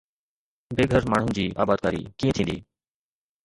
بي گهر ماڻهن جي آبادڪاري ڪيئن ٿيندي؟